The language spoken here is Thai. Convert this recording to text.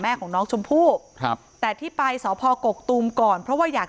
แม่ของน้องสมภูกิ์แต่ที่ไปสพกกตูมก่อนเพราะว่าอยาก